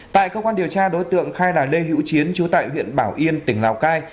tại cơ quan điều tra đối tượng khai là lê hữu chiến chú tại huyện bảo yên tỉnh lào cai